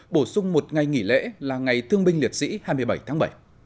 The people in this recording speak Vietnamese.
bổ sung một ngày nghỉ lễ là ngày thương binh liệt sĩ hai mươi bảy tháng bảy